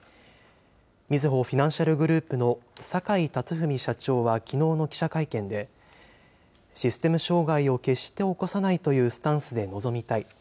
みずほフィナンシャルグループの坂井辰史社長はきのうの記者会見で、システム障害を決して起こさないというスタンスで臨みたい。